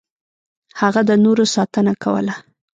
هغه د نورو ساتنه کوله.